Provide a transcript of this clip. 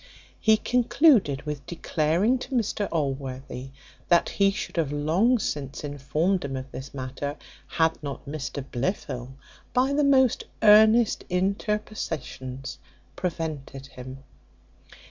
He concluded with declaring to Mr Allworthy, that he should have long since informed him of this matter, had not Mr Blifil, by the most earnest interpositions, prevented him.